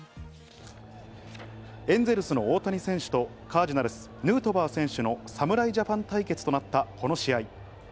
エンゼルスの大谷選手と、カージナルスのヌートバー選手の侍ジャパン対決となった、この試合。